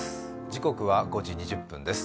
時刻は５時２０分です。